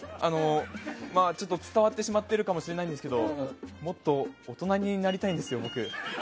ちょっと伝わってしまってるかもしれないんですけどもっと大人になりたいんですよ、僕。